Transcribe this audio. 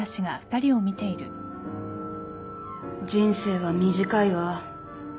人生は短いわ。